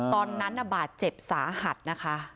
ตอนนั้นบาดเจ็บสาหัสนะคะ